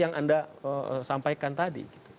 yang anda sampaikan tadi